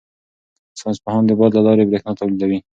ساینس پوهان د باد له لارې بریښنا تولیدوي.